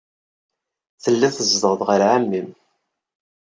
Telliḍ tzedɣeḍ ɣer ɛemmi-m.